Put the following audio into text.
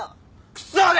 クソが！